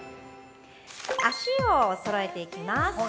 足をそろえていきます。